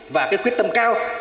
và cái quyết tâm cao